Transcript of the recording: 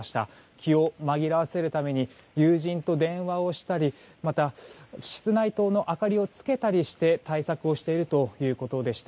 気を紛らわせるために友人と電話をしたりまた、室内灯の明かりをつけたりして対策をしているということでした。